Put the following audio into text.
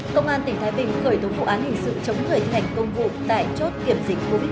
công an tỉnh thái bình khởi tống vụ án hình sự chống thời hành công vụ tại chốt kiểm dịch covid một mươi chín